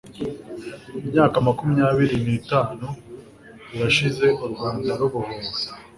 myaka makumyabiri nitanu irashize u Rwanda rubohowe